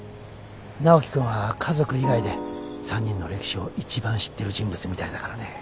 ナオキ君は家族以外で３人の歴史を一番知ってる人物みたいだからね。